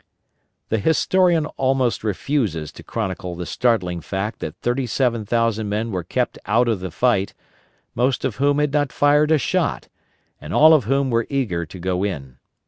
The historian almost refuses to chronicle the startling fact that 37,000 men were kept out of the fight, most of whom had not fired a shot, and all of whom were eager to go in.